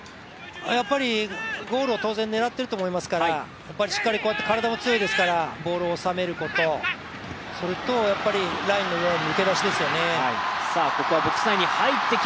やっぱりゴールを当然狙っていると思いますから、しっかり、体も強いですからボールをおさめること、それと、やっぱりラインぬけだしですよね。